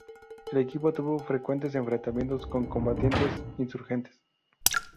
El equipo tuvo frecuentes enfrentamientos con combatientes insurgentes.